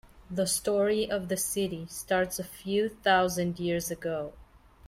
The story of the city starts a few thousand years ago.